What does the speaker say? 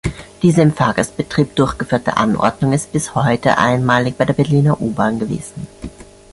Diese im Fahrgastbetrieb durchgeführte Anordnung ist bis heute einmalig bei der Berliner U-Bahn gewesen.